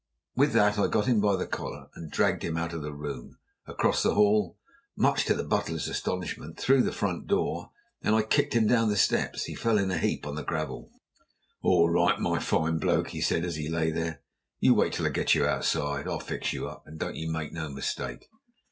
With that I got him by the collar and dragged him out of the room across the hall, much to the butler's astonishment, through the front door, and then kicked him down the steps. He fell in a heap on the gravel. "All right, my fine bloke," he said as he lay there; "you wait till I get you outside. I'll fix you up, and don't you make no mistake."